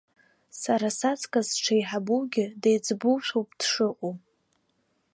Сара саҵкыс дшеиҳабугьы, деиҵбушәоуп дшыҟоу.